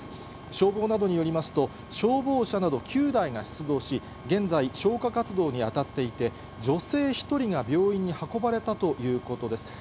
消防などによりますと、消防車など９台が出動し、現在、消火活動に当たっていて、女性１人が病院に運ばれたということです。